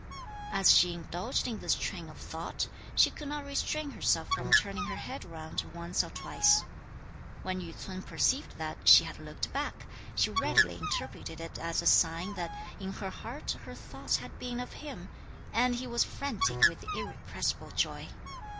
As she indulged in this train of thought, she could not restrain herself from turning her head round once or twice. When Yü ts'un perceived that she had looked back, he readily interpreted it as a sign that in her heart her thoughts had been of him, and he was frantic with irrepressible joy.